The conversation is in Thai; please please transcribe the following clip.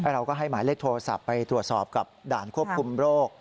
เราก็ให้หมายเลขโทรศัพท์ไปตรวจสอบกับด่านควบคุมโรค